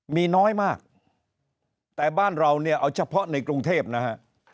มีน้อยมากแต่บ้านเราเนี่ยเอาเฉพาะในกรุงเทพนะฮะ